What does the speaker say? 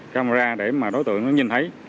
camera để mà đối tượng nó nhìn thấy